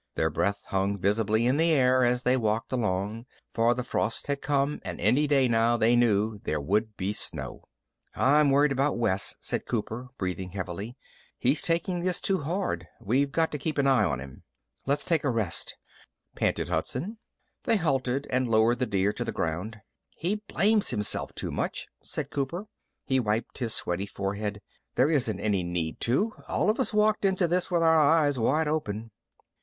Their breath hung visibly in the air as they walked along, for the frost had come and any day now, they knew, there would be snow. "I'm worried about Wes," said Cooper, breathing heavily. "He's taking this too hard. We got to keep an eye on him." "Let's take a rest," panted Hudson. They halted and lowered the deer to the ground. "He blames himself too much," said Cooper. He wiped his sweaty forehead. "There isn't any need to. All of us walked into this with our eyes wide open."